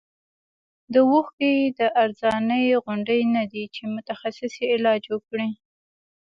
د اوښکو د ارزانۍ غوندې نه دی چې متخصص یې علاج وکړي.